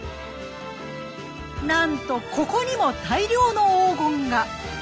なんとここにも大量の黄金が！